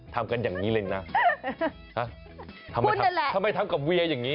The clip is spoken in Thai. ทำกันแบบนี้หน่อยทำไมทำกับเวียอย่างนี้